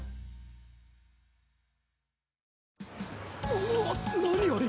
うわっ何あれ？